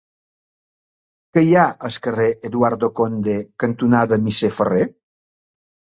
Què hi ha al carrer Eduardo Conde cantonada Misser Ferrer?